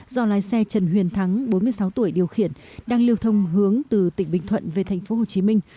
do lái xe trần huyền thắng bốn mươi sáu tuổi điều khiển đang lưu thông hướng từ tỉnh bình thuận về thành phố hồ chí minh